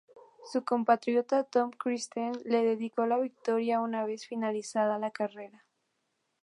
Su compatriota Tom Kristensen le dedicó la victoria una vez finalizada la carrera.